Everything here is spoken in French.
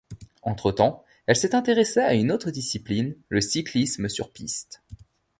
Entre-temps, elle s'est intéressée à une autre discipline, le cyclisme sur piste.